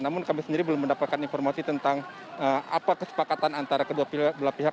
namun kami sendiri belum mendapatkan informasi tentang apa kesepakatan antara kedua belah pihak